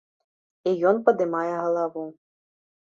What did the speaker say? І ён падымае галаву.